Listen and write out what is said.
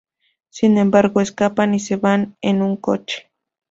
Sin embargo, escapan y se van en un coche.